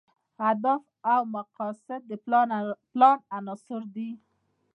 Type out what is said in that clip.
اهداف او مقاصد د پلان عناصر دي.